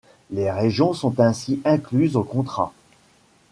Les Régions sont ainsi incluses au contrat.